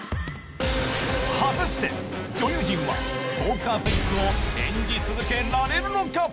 果たして、女優陣はポーカーフェースを演じ続けられるのか。